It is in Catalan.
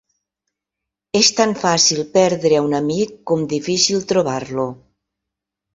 Es tan fàcil perdre a un amic com difícil trobar-lo.